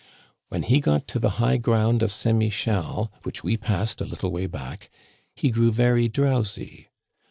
"When he got to the high ground of St. Michel, which we passed a little way back, he grew very drowsy.